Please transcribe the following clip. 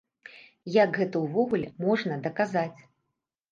Як гэта ўвогуле можна даказаць?